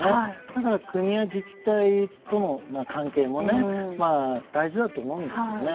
だから国や自治体との関係も大事だと思うんですよね。